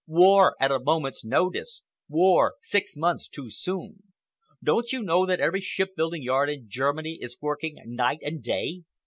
War at a moment's notice, war six months too soon! Don't you know that every shipbuilding yard in Germany is working night and day?